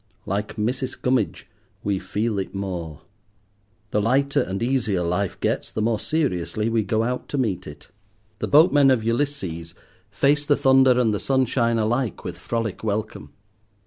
Like Mrs. Gummidge, we feel it more. The lighter and easier life gets the more seriously we go out to meet it. The boatmen of Ulysses faced the thunder and the sunshine alike with frolic welcome.